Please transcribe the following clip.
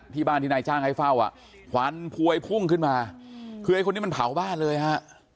ที่บ้านที่นายจ้างให้เฝ้าอ่ะควันพวยพุ่งขึ้นมาคือไอ้คนนี้มันเผาบ้านเลยฮะ